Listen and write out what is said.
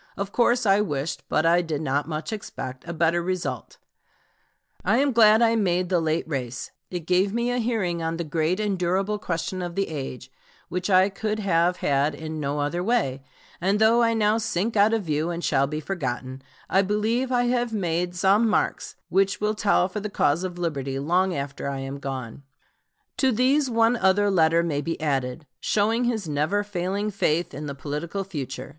Of course I wished, but I did not much expect, a better result.... I am glad I made the late race. It gave me a hearing on the great and durable question of the age, which I could have had in no other way; and though I now sink out of view, and shall be forgotten, I believe I have made some marks which will tell for the cause of civil liberty long after I am gone." Lincoln to Asbury, November 19, 1858. To these one other letter may be added, showing his never failing faith in the political future.